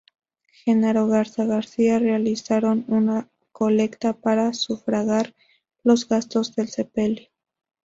Genaro Garza García, realizaron una colecta para sufragar los gastos del sepelio.